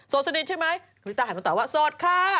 โสดสนิทใช่ไหมลีต้าตอบว่าโสดค่ะ